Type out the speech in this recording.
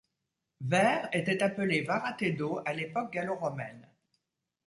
Vayres était appelée Varatedo à l'époque gallo-romaine.